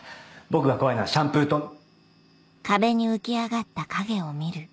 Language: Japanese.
僕が怖いのはシャンプートン。